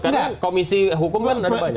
karena komisi hukum kan ada banyak